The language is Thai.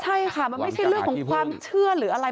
ใช่ค่ะมันไม่ใช่เรื่องของความเชื่อหรืออะไร